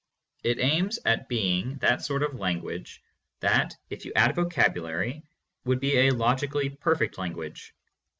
It aims at being that sort of a language that, if you add a vocabulary, would be a logically perfect language.